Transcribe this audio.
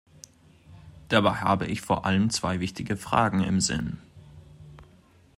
Dabei habe ich vor allem zwei wichtige Fragen im Sinn.